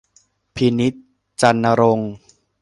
พินิจ จันทร์ณรงค์